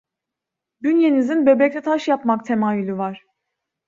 Bünyenizin böbrekte taş yapmak temayülü var.